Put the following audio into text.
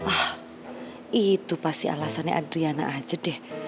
ah itu pasti alasannya adriana aja deh